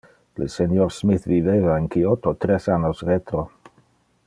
Le senior Smith viveva in Kyoto tres annos retro.